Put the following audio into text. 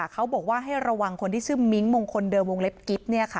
เขาบอกว่าให้ระวังคนที่ชื่อมิ้งมงคลเดิมวงเล็บกิ๊บ